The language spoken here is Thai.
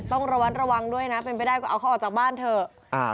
ต้องระวัดระวังด้วยนะเป็นไปได้ก็เอาเขาออกจากบ้านเถอะ